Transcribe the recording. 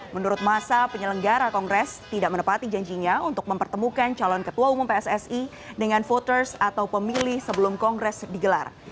menurut masa penyelenggara kongres tidak menepati janjinya untuk mempertemukan calon ketua umum pssi dengan voters atau pemilih sebelum kongres digelar